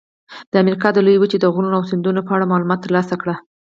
د امریکا د لویې وچې د غرونو او سیندونو په اړه معلومات ترلاسه کړئ.